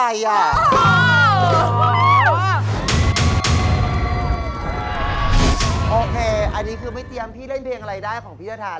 โอเคอันนี้คือไม่เตรียมพี่เล่นเพลงอะไรได้ของพี่จะทาน